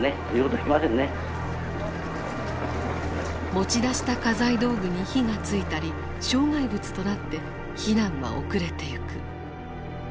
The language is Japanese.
持ち出した家財道具に火がついたり障害物となって避難は遅れていく。